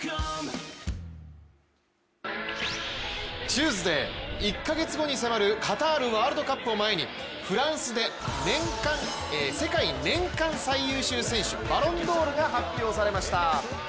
チューズデー、１か月後に迫るカタールワールドカップを前にフランスで、世界年間最優秀選手バロンドールが発表されました。